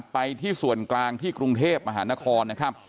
ไปที่ส่วนกลางที่กรุงเทพมหานครนะครับ